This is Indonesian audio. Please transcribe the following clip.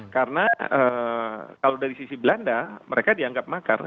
karena kalau dari sisi belanda mereka dianggap makar